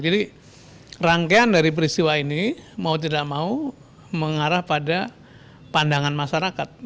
jadi rangkaian dari peristiwa ini mau tidak mau mengarah pada pandangan masyarakat